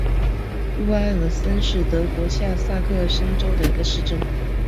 乌埃尔森是德国下萨克森州的一个市镇。